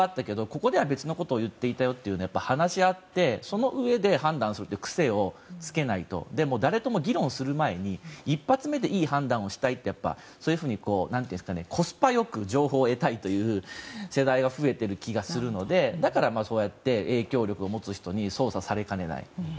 ここでは別のことを言っていたよと話し合って、そのうえで判断するという癖をつけないとでも誰とも議論をする前に一発目でいい判断をしたいって、そういうふうにコスパ良く情報を得たいという世代が増えている気がするのでだからそうやって影響力を持つ人に操作されかねない。